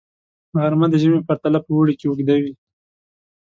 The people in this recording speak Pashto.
غرمه د ژمي په پرتله په اوړي کې اوږده وي